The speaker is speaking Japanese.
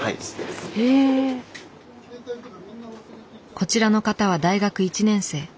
こちらの方は大学１年生。